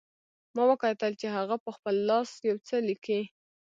ما وکتل چې هغه په خپل لاس یو څه لیکي